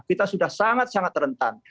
kita sudah sangat sangat rentan